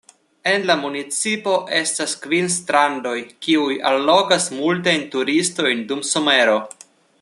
En la municipo estas kvin strandoj, kiuj allogas multajn turistojn dum somero.